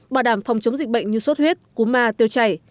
bảo đảm phòng chống dịch bệnh như sốt huyết cú ma tiêu chảy